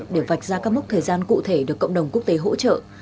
để vạch ra các mốc thời gian cụ thể được cộng đồng quốc tế hỗ trợ